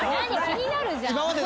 気になるじゃん。